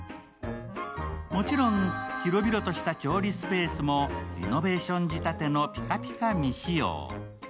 もちろん、広々とした調理スペースもリノベーション仕立てのピカピカ未使用。